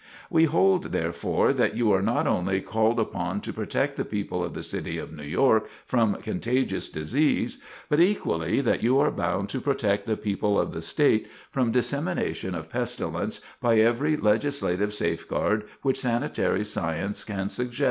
We hold, therefore, that you are not only called upon to protect the people of the City of New York from contagious disease, but equally that you are bound to protect the people of the State from dissemination of pestilence by every legislative safeguard which sanitary science can suggest.